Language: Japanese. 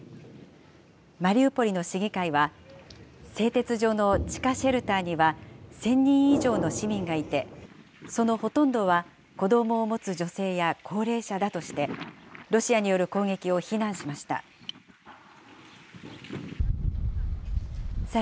マリウポリの市議会は、製鉄所の地下シェルターには１０００人以上の市民がいて、そのほとんどは子どもを持つ女性や高齢者だとして、ロシアによる攻撃を非難しました。